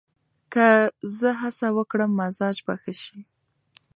که زه هڅه وکړم، مزاج به ښه شي.